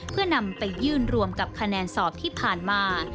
เพื่อนำไปยื่นรวมกับคะแนนสอบที่ผ่านมา